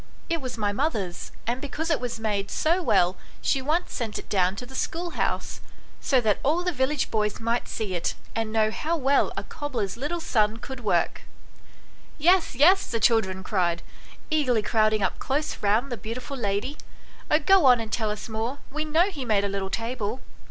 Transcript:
It was my mother's, and because it was made so well she once sent it down to the schoolhouse, so that all the village boys might see it, and know how well a cobbler's little son could work." " Yes, yes," the children cried, eagerly crowding up close round the beautiful lady ;" oh, go on and tell us more, we know he made a little table."